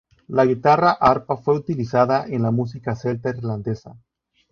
La guitarra arpa fue utilizada en la música celta irlandesa.